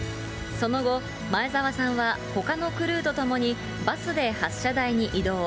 その後、前澤さんは、ほかのクルーと共に、バスで発射台に移動。